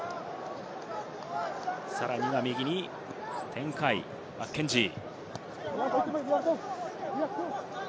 さらには右に展開、マッケンジー。